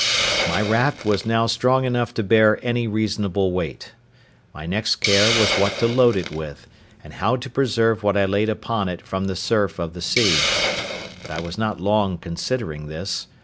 My raft was now strong enough to bear any reasonable weight. My next care was what to load it with, and how to preserve what I laid upon it from the surf of the sea; but I was not long considering this.